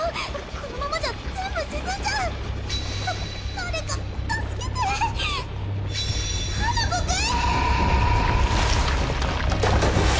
このままじゃ全部沈んじゃうだ誰か助けて花子くん！